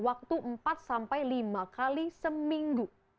waktu empat sampai lima kali seminggu